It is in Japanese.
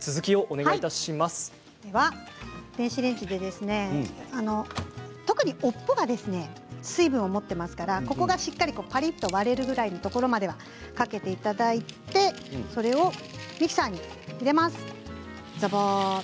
前には電子レンジにかけ電子レンジで特に尾っぽが水分を持っていますからここがしっかりパリっと割れるぐらいのところまでかけていただいてそれをミキサーに入れます。